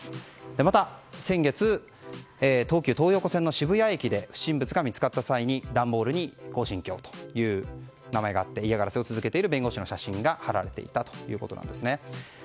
また、先月東急東横線の渋谷駅で不審物が見つかった際に段ボールに恒心教という名前があって嫌がらせを続けている弁護士の写真が貼られていたということです。